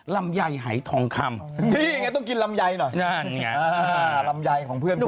นี่ยังไงต้องกินลำไยเลย